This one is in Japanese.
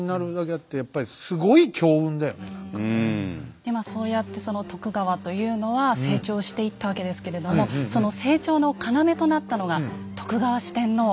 でまあそうやってその徳川というのは成長していったわけですけれどもその成長の要となったのが徳川四天王なんですね。